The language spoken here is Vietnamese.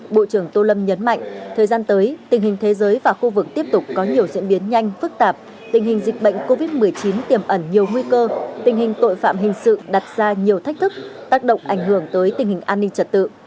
bộ trưởng tô lâm nhấn mạnh thời gian tới tình hình thế giới và khu vực tiếp tục có nhiều diễn biến nhanh phức tạp tình hình dịch bệnh covid một mươi chín tiềm ẩn nhiều nguy cơ tình hình tội phạm hình sự đặt ra nhiều thách thức tác động ảnh hưởng tới tình hình an ninh trật tự